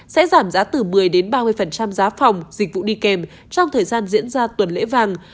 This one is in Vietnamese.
sẽ giảm giá từ một mươi ba mươi giá phòng dịch vụ đi kèm trong thời gian diễn ra tuần lễ vàng